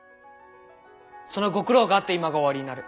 そのご苦労があって今がおありになる。